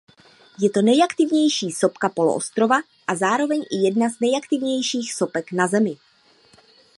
Je to nejaktivnější sopka poloostrova a zároveň i jedna z nejaktivnějších sopek na Zemi.